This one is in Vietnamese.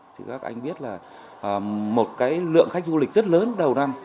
thì các anh biết là một cái lượng khách du lịch rất lớn đầu năm